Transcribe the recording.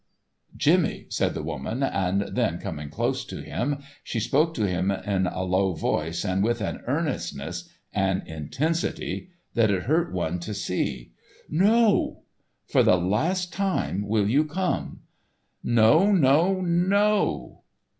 "Jimmy!" said the woman, and then, coming close to him, she spoke to him in a low voice and with an earnestness, an intensity, that it hurt one to see. "No!" "For the last time, will you come?" "No! No! No!"